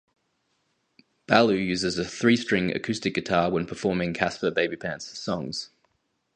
Ballew uses a three-string acoustic guitar when performing Caspar Babypants songs.